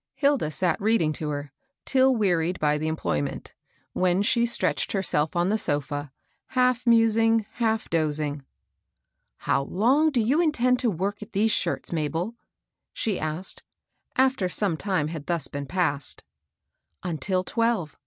Hilda sat reading to her, till wearied by the em ployment ; when she stretched herself on the so&» half musing, half dozing. " How long do you intend to work at these shirts, Mabel ?" she asked, after some time had thus been passed. Until twelve.